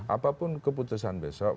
apapun keputusan besok